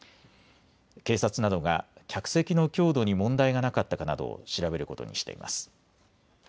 警察などが客席の強度に問題がなかったかなどを調べることにしています。